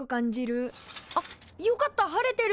あっよかった晴れてる！